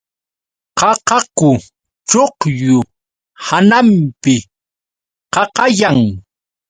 Qaqaku chuqllu hananpi qaqayan.